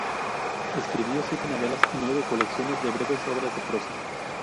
Escribió siete novelas y nueve colecciones de breves obras de prosa.